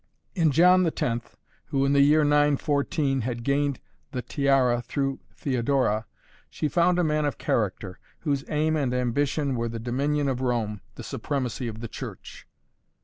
In John X. who, in the year 914, had gained the tiara through Theodora, she found a man of character, whose aim and ambition were the dominion of Rome, the supremacy of the Church.